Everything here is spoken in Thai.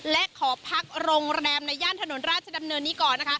และขอพักโรงแรมในย่านถนนราชดำเนินนี้ก่อนนะคะ